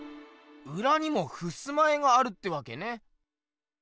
うらにもふすま絵があるってわけね？